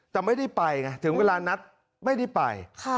แต่ไม่ได้ไปไงถึงเวลานัดไม่ได้ไป